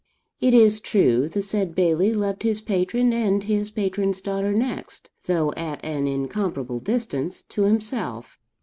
It is true, the said Bailie loved his patron and his patron's daughter next (though at an incomparable distance) to himself.